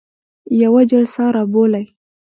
یوه جلسه را بولي.